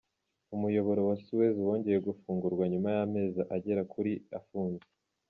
Umuyoboro wa Suez wongeye gufungurwa nyuma y’amezi agera kuri ufunze.